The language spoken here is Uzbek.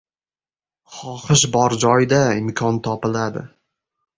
• Xohish bor joyda imkon topiladi.